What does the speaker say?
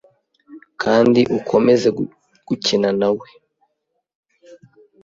kandi ukomeze gukina na we.